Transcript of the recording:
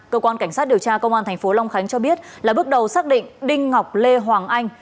cơ quan cảnh sát điều tra công an thành phố long khánh cho biết là bước đầu xác định đinh ngọc lê hoàng anh